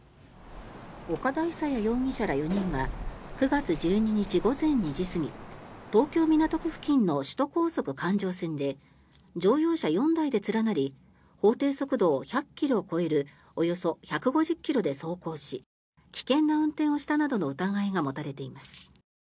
岡田勇也容疑者ら４人は９月１２日午前２時過ぎ東京・港区付近の首都高速環状線で乗用車４台で連なり法定速度を１００ｋｍ超えるおよそ１５０ｋｍで走行し危険な運転をしたなどの疑いが持たれています。